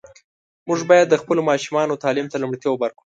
موږ باید د خپلو ماشومانو تعلیم ته لومړیتوب ورکړو.